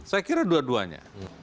saya kira dua duanya